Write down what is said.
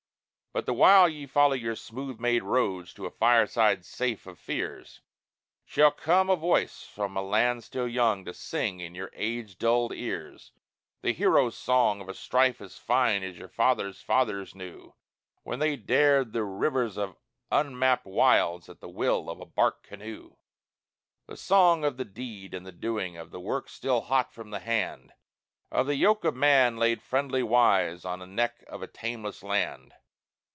But the while ye follow your smooth made roads to a fireside safe of fears, Shall come a voice from a land still young, to sing in your age dulled ears The hero song of a strife as fine as your fathers' fathers knew, When they dared the rivers of unmapped wilds at the will of a bark canoe The song of the deed in the doing, of the work still hot from the hand; Of the yoke of man laid friendly wise on the neck of a tameless land.